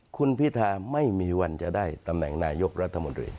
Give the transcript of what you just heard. คุณพิธาไม่มีวันจะได้ตำแหน่งนายกรัฐมนตรี